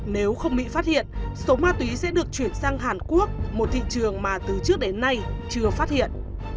nếu không bị phát hiện số ma túy sẽ được chuyển sang hàn quốc một thị trường mà từ trước đến nay chưa phát hiện